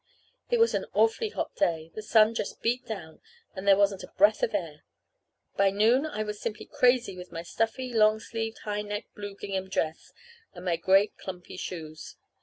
It was an awfully hot day. The sun just beat down, and there wasn't a breath of air. By noon I was simply crazy with my stuffy, long sleeved, high necked blue gingham dress and my great clumpy shoes.